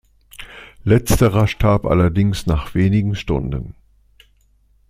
Letzterer starb allerdings nach wenigen Stunden.